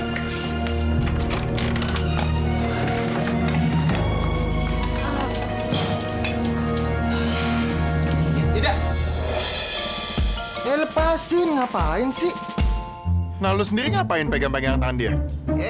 tidak lepasin ngapain sih nah lu sendiri ngapain pegang pegang tangan dia